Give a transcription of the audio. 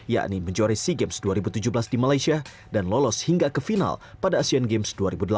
yakni menjuari sea games dua ribu tujuh belas di malaysia dan lolos hingga ke final pada asian games dua ribu delapan belas